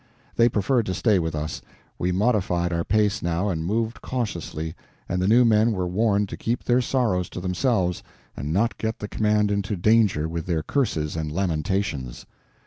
They preferred to stay with us. We modified our pace now, and moved cautiously, and the new men were warned to keep their sorrows to themselves and not get the command into danger with their curses and lamentations.